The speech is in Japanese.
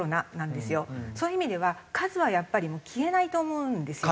そういう意味では数はやっぱりもう消えないと思うんですよ。